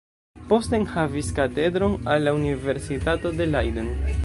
Poste enhavis katedron al la universitato de Leiden.